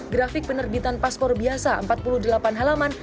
grafik penerbitan paspor biasa empat puluh delapan halaman